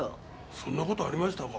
そんな事ありましたか？